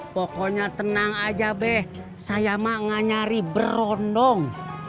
pokoknya tenang aja beh saya mah nganyari berondong